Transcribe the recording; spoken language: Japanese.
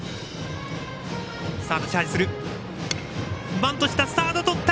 バントした、サードとった。